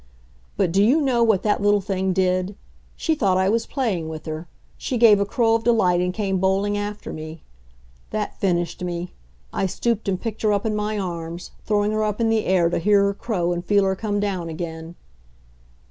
But do you know what that little thing did? She thought I was playing with her. She gave a crow of delight and came bowling after me. That finished me. I stooped and picked her up in my arms, throwing her up in the air to hear her crow and feel her come down again.